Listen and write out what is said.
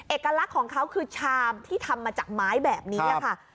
เอกลักษณ์ของเขาคือชามที่ทำมาจากไม้แบบนี้ค่ะ